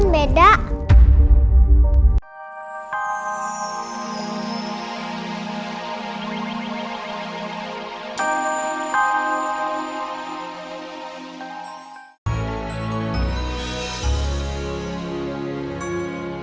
bagaimana orangnya sekarang meng ged